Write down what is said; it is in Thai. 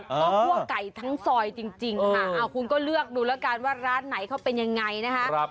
ก็คั่วไก่ทั้งซอยจริงค่ะคุณก็เลือกดูแล้วกันว่าร้านไหนเขาเป็นยังไงนะคะ